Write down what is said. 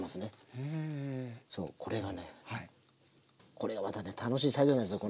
これまたね楽しい作業なんですよ。